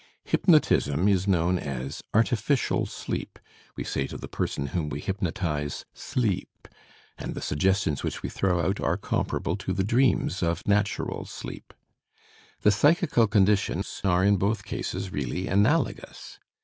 Hypnotism is known as artificial sleep; we say to the person whom we hypnotize, "Sleep," and the suggestions which we throw out are comparable to the dreams of natural sleep. The psychical conditions are in both cases really analogous.